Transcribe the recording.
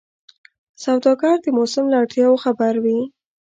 سوداګر د موسم له اړتیاوو خبر وي.